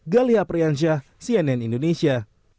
galia priyansyah cnn indonesia